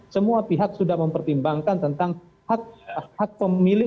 semua pihak sudah mempertimbangkan tentang hak pemilih